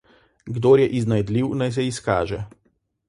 Kdor je iznajdljiv, naj se izkaže.